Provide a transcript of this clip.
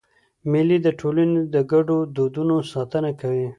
مېلې د ټولني د ګډو دودونو ساتنه کوي.